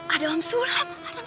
ada om sulam